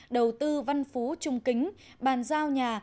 đầu tư văn phú trung kính bàn giao nhà